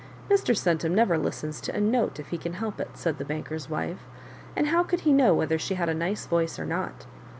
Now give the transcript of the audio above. " Mr. Centum never listens to a note if he can help it," said the banker's wife, "and how could he know whether she had a nice voice or not?"